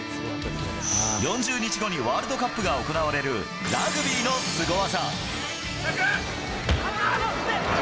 ４０日後にワールドカップが行われるラグビーのスゴ技。